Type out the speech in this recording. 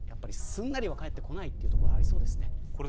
すんなりは返ってこないということがありそうですね。